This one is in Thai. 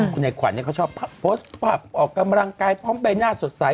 คุณไอขวัญเขาชอบโพสต์ภาพออกกำลังกายพร้อมใบหน้าสดใส